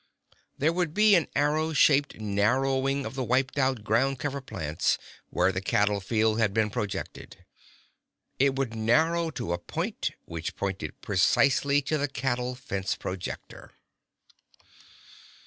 There would be an arrow shaped narrowing of the wiped out ground cover plants where the cattle field had been projected. It would narrow to a point which pointed precisely to the cattle fence projector.